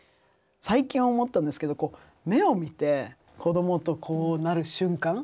最近思ったんですけど目を見て子どもとこうなる瞬間。